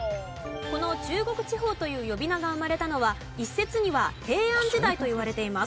この中国地方という呼び名が生まれたのは一説には平安時代といわれています。